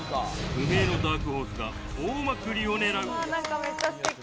無名のダークホースが大まくりを狙う。